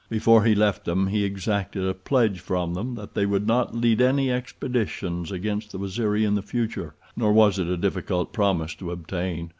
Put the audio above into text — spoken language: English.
Before he left them he exacted a pledge from them that they would not lead any expeditions against the Waziri in the future, nor was it a difficult promise to obtain.